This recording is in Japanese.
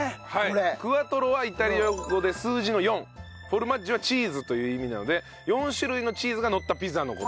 「クアトロ」はイタリア語で数字の４「フォルマッジ」はチーズという意味なので４種類のチーズがのったピザの事。